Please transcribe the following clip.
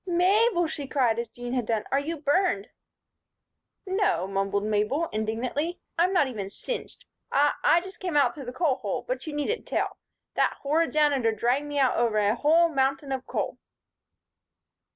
"Mabel!" she cried, as Jean had done. "Are you burned?" "No," mumbled Mabel, indignantly. "I'm not even singed. I I just came out through the coal hole, but you needn't tell. That horrid Janitor dragged me out over a whole mountain of coal."